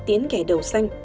tiến kẻ đầu xanh